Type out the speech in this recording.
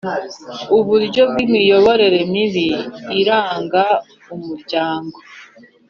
uburyo bw imiyoborere mibi iranga umuryango